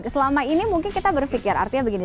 selama ini mungkin kita berpikir artinya begini